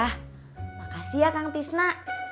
makasih ya kang tisna